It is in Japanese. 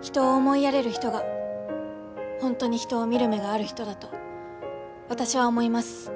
人を思いやれる人が本当に人を見る目がある人だと私は思います。